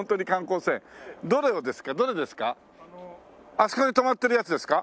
あそこに止まってるやつですか？